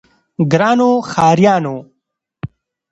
ګرانو ښاريانو!